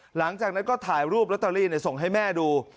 หลังจากนั้นก็ถ่ายรูปลอตเตอรี่ส่งให้แม่ดู